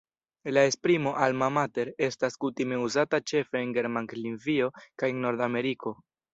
La esprimo "Alma mater" estas kutime uzata ĉefe en Germanlingvio kaj en Nordameriko.